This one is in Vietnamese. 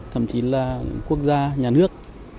thậm chí là quốc gia nhà nước